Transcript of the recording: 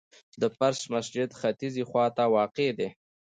د فرش مسجد ختیځي خواته واقع دی.